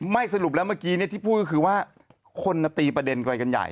สรุปแล้วเมื่อกี้ที่พูดก็คือว่าคนตีประเด็นไปกันใหญ่